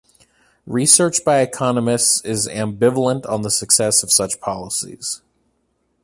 Research by economists is ambivalent on the success of such policies.